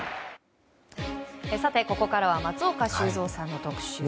ここからは松岡修造さんの特集です。